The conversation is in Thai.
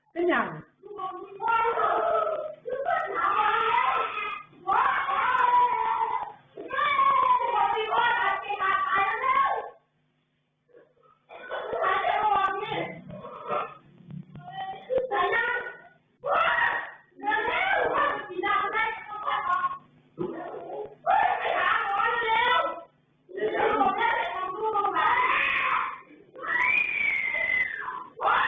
เมื่อกี๊ลุกโอมลูกโอมกลัวชนากาล